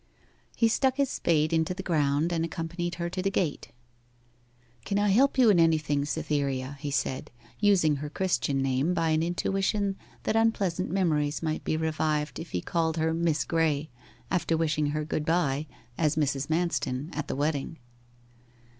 He stuck his spade into the ground, and accompanied her to the gate. 'Can I help you in anything, Cytherea?' he said, using her Christian name by an intuition that unpleasant memories might be revived if he called her Miss Graye after wishing her good bye as Mrs. Manston at the wedding.